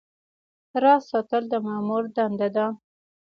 راز ساتل د مامور دنده ده